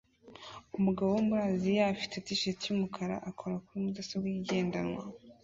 Umugabo wo muri Aziya ufite t-shirt yumukara akora kuri mudasobwa igendanwa